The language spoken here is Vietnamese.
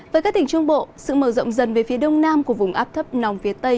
với các tỉnh trung bộ sự mở rộng dần về phía đông nam của vùng áp thấp nòng phía tây